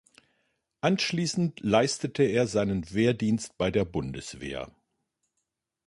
Anschließend leistete er seinen Wehrdienst bei der Bundeswehr.